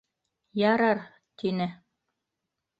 Ярар! — тине.